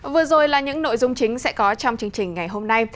vừa rồi là những nội dung chính sẽ có trong chương trình ngày hôm nay